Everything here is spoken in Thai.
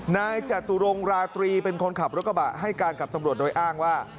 นายจตุรงราตรีเป็นคนขับรถกระบะให้การกับตำรวจโดยอ้างว่า